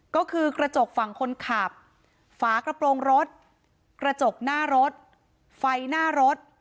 ก็คือกระจกฝั่งคนขับฝากระโปรงรถกระจกหน้ารถไฟหน้ารถ